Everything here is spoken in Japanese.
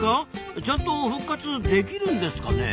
ちゃんと復活できるんですかねえ？